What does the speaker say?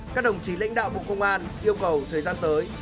các đồng chí lãnh đạo bộ công an yêu cầu thời gian tới